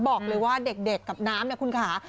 บอกเลยว่าเด็กกับน้ำเนี่ยคุณค่ะ